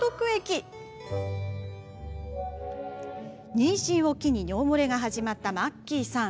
妊娠を機に尿漏れが始まったマッキーさん。